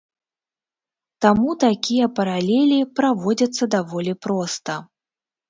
Таму такія паралелі праводзяцца даволі проста.